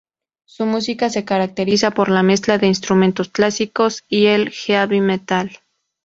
Su música se caracteriza por la mezcla de instrumentos clásicos y el heavy metal.